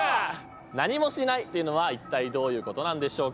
何もしないっていうのは一体どういうことなんでしょうか？